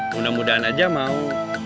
mudah mudahan aja mau